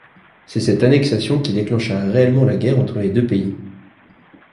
C'est cette annexion qui déclencha réellement la guerre entre les deux pays.